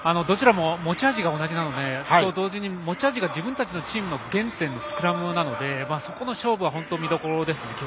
どちらも持ち味が同じで同時に持ち味が自分たちのゲームの原点、スクラムなのでそこが勝負の見どころですね。